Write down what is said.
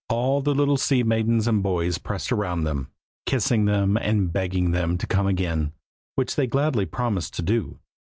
All the little sea maidens and boys pressed round them, kissing them, and begging them to come again, which they gladly promised to do.